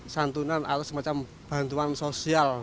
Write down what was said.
santunan atau semacam bantuan sosial